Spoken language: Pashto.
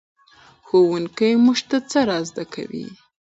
ښوونکی موږ ته څه را زده کوي؟